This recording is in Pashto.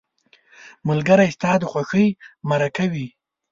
ملګری ستا د خوښۍ مرکه وي